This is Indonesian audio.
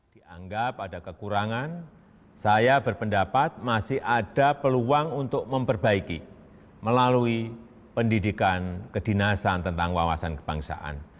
dianggap ada kekurangan saya berpendapat masih ada peluang untuk memperbaiki melalui pendidikan kedinasan tentang wawasan kebangsaan